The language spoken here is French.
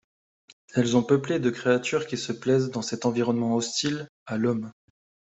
Elles ont peuplées de créatures qui se plaisent dans cet environnement hostile à l'homme.